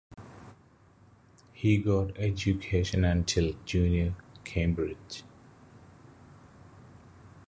He got education until Junior Cambridge.